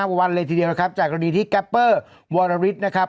วันวันเลยทีเดียวนะครับจากรณีที่แก๊ปเปอร์วอลลาริสนะครับ